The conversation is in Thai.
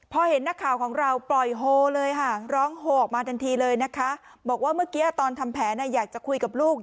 เพราะเมื่อกี้ตอนทำแผนอยากจะคุยกับลูก